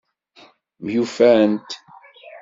Myufant.